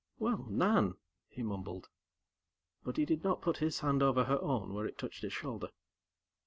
"Well, Nan!" he mumbled. But he did not put his hand over her own where it touched his shoulder.